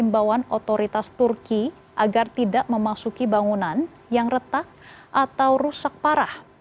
kbri juga mengatakan bahwa mereka akan memiliki pertimbangan otoritas turki agar tidak memasuki bangunan yang retak atau rusak parah